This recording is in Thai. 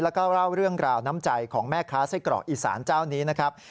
แล้วก็เล่าเรื่องราวน้ำใจของแม่ค้าไส้กรอกอีสานเจ้านี้นะครับ